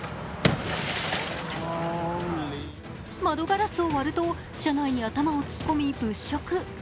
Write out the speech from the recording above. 窓ガラスを割ると、車内に頭を突っ込み物色。